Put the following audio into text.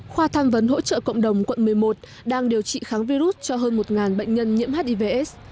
khoa tham vấn hỗ trợ cộng đồng quận một mươi một đang điều trị kháng virus cho hơn một bệnh nhân nhiễm hivs